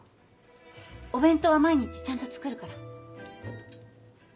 お弁当は毎日ちゃんと作るから。